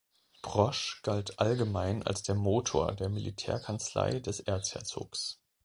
Brosch galt allgemein als der Motor der Militärkanzlei des Erzherzogs.